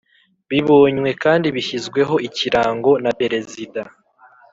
Bibonywe kandi bishyizweho Ikirango na perezida